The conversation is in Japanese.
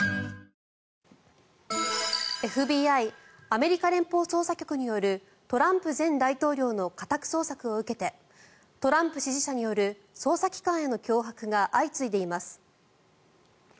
ＦＢＩ・アメリカ連邦捜査局によるトランプ前大統領の家宅捜索を受けてトランプ支持者による捜査機関への脅迫が相次いでいます。